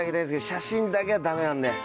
写真だけはダメなんで。